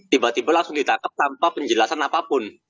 tiba tiba langsung ditangkap tanpa penjelasan apapun